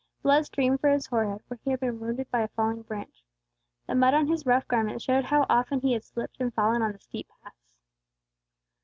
Blood streamed from his forehead where he had been wounded by a falling branch. The mud on his rough garments showed how often he had slipped and fallen on the steep paths.